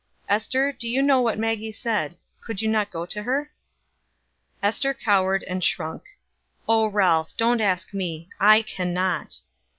Ester, you know what Maggie said. Could you not go to her?" Ester cowered and shrunk. "Oh, Ralph, don't ask me. I can not."